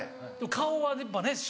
顔はやっぱね師匠。